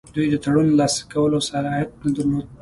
دوی د تړون لاسلیک کولو صلاحیت نه درلود.